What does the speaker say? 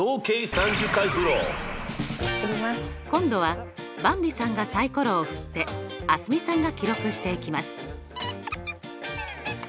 今度はばんびさんがサイコロを振って蒼澄さんが記録していきます。